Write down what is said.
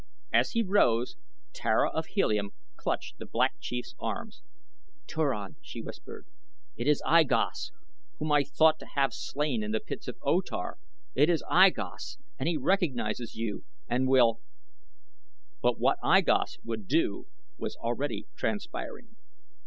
As he rose Tara of Helium clutched the Black Chief's arm. "Turan!" she whispered. "It is I Gos, whom I thought to have slain in the pits of O Tar. It is I Gos and he recognizes you and will " But what I Gos would do was already transpiring.